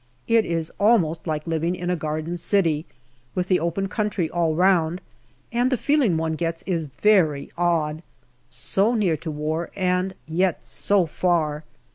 It is almost like living in a garden city, with the open country all round, and the feeling one gets is very odd so near to war and yet so far